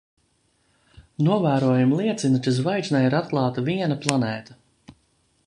Novērojumi liecina, ka zvaigznei ir atklāta viena planēta.